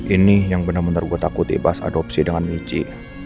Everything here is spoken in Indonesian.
ini yang benar benar gue takut ibas adopsi dengan miji